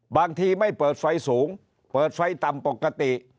ไม่เปิดไฟสูงเปิดไฟต่ำปกติ